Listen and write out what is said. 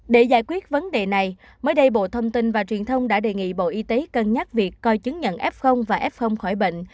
để giải quyết vấn đề này mới đây bộ thông tin và truyền thông đã đề nghị bộ y tế cân nhắc việc coi chứng nhận f và f khỏi bệnh